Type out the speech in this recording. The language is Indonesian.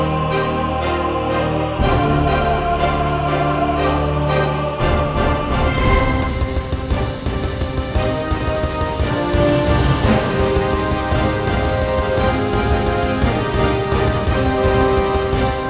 assalamualaikum warahmatullahi wabarakatuh